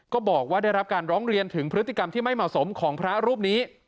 ก็บอกว่าได้รับการร้องเรียนถึงพฤติกรรมที่ไม่เหมาะสมของพระรูปนี้